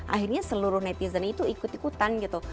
akhirnya seluruh netizen itu ikut ikutan gitu